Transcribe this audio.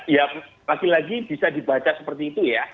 ya lagi lagi bisa dibaca seperti itu ya